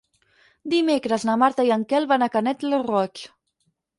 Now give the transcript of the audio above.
Dimecres na Marta i en Quel van a Canet lo Roig.